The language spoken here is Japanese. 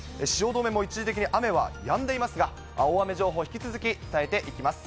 汐留も一時的に雨はやんでいますが、大雨情報、引き続き、伝えていきます。